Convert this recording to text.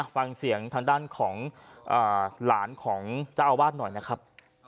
ฟังเสียงทางด้านของหลานของเจ้าอาวาสหน่อยนะครับ